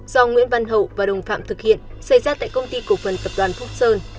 do nguyễn văn hậu và đồng phạm thực hiện xảy ra tại công ty cổ phần tập đoàn phúc sơn